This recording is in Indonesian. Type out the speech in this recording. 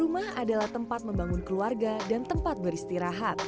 rumah adalah tempat membangun keluarga dan tempat beristirahat